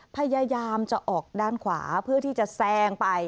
พยายามจะออกด้านขวาเพื่อที่จะแซงไป